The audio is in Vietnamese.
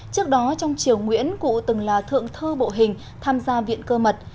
trước đó trong triều nguyễn cụ từng là thượng thơ bộ hình tham gia viện cơ mật